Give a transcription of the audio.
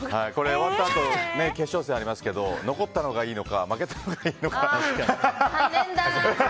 終わったあと決勝戦ありますけど残ったほうがいいのか負けたほうがいいのか。